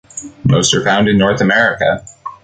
Most are found in North America.